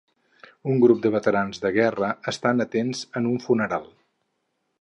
Un grup de veterans de guerra estan atents en un funeral.